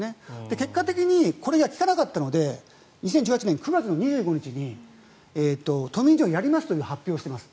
結果的にこれが効かなかったので２０１８年９月２５日にトミー・ジョン手術をやりますと発表しています。